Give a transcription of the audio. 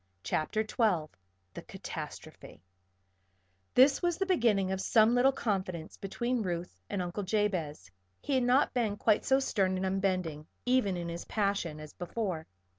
CHAPTER XII THE CATASTROPHE This was the beginning of some little confidence between Ruth and Uncle Jabez. He had not been quite so stern and unbending, even in his passion, as before.